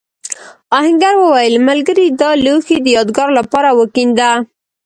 آهنګر وویل ملګري دا لوښی د یادگار لپاره وکېنده.